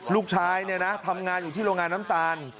ลูกชายเนี่ยนะทำงานอยู่ที่โรงงานน้ำตาล